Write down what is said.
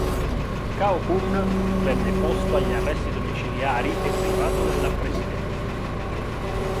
Cao Kun venne posto agli arresti domiciliari e privato della presidenza.